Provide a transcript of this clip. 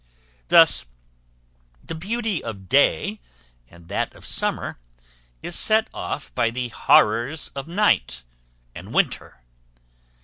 Thus the beauty of day, and that of summer, is set off by the horrors of night and winter.